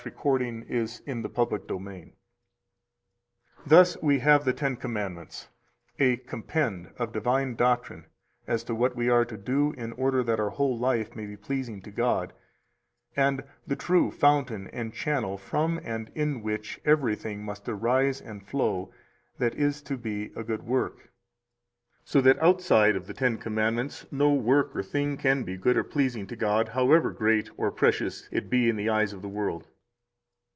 Conclusion of the Ten Commandments. 311 Thus we have the Ten Commandments, a compend of divine doctrine, as to what we are to do in order that our whole life may be pleasing to God, and the true fountain and channel from and in which everything must arise and flow that is to be a good work, so that outside of the Ten Commandments no work or thing can be good or pleasing to God, however great or precious it be in the eyes of the world.